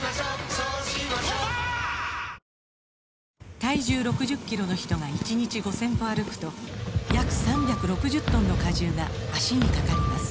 体重６０キロの人が１日５０００歩歩くと約３６０トンの荷重が脚にかかります